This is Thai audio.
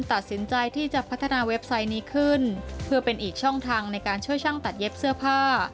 ตัดสินใจที่จะพัฒนาเว็บไซต์นี้ขึ้นเพื่อเป็นอีกช่องทางในการช่วยช่างตัดเย็บเสื้อผ้า